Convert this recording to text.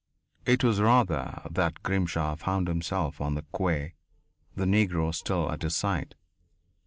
It was rather that Grimshaw found himself on the quay, the Negro still at his side.